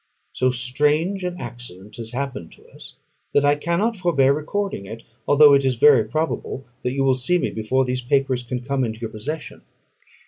So strange an accident has happened to us, that I cannot forbear recording it, although it is very probable that you will see me before these papers can come into your possession.